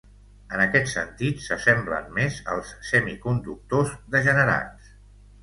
En aquest sentit, s'assemblen més als semiconductors degenerats.